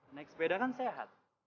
naik sepeda kan sehat